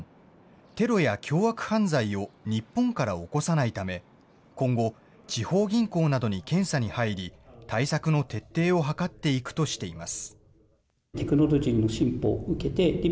テロや凶悪犯罪を日本から起こさないため、今後、地方銀行などに検査に入り、対策の徹底を図っていくとしています。